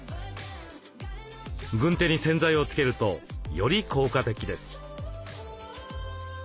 軍手に洗剤をつけるとより効果的です。